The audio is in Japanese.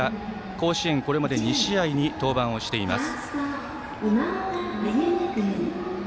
甲子園、これまで２試合に登板をしています。